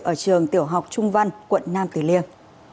ở trường tiểu học trung văn quận nam tử liêm